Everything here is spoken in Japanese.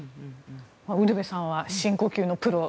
ウルヴェさんは深呼吸のプロ。